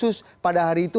khusus pada hari itu